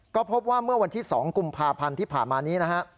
ก็พบว่าเมื่อวันที่๒กุมภาพันธ์ที่ผ่านมานี้นะฮะ